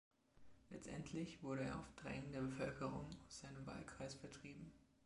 Letztendlich wurde er auf Drängen der Bevölkerung aus seinem Wahlkreis vertrieben.